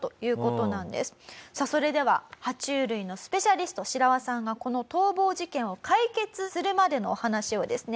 それでは爬虫類のスペシャリストシラワさんがこの逃亡事件を解決するまでのお話をですね